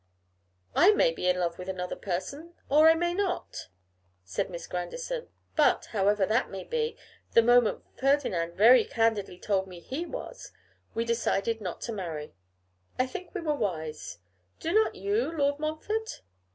'I may be in love with another person, or I may not,' said Miss Grandison. 'But, however that may be, the moment Ferdinand very candidly told me he was, we decided not to marry. I think we were wise; do not you. Lord Montfort?